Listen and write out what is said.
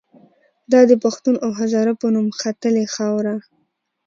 دا د پښتون او هزاره په نوم ختلې خاوره